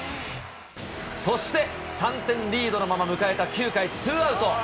そして、３点リードのまま迎えた９回ツーアウト。